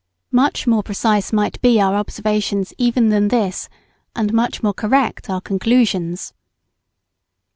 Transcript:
Much more precise might be our observations even than this, and much more correct our conclusions.